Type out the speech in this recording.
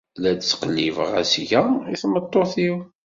La d-ttqellibeɣ asga i tmeṭṭut-iw.